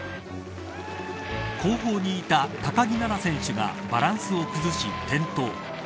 後方にいた高木菜那選手がバランスを崩し転倒。